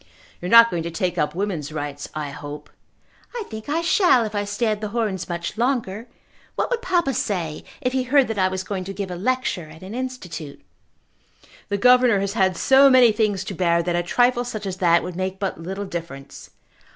"You are not going to take up woman's rights, I hope." "I think I shall if I stay at The Horns much longer. What would papa say if he heard that I was going to give a lecture at an Institute?" "The governor has had so many things to bear that a trifle such as that would make but little difference."